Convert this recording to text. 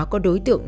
có đối tượng